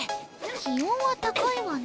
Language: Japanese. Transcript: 気温は高いわね。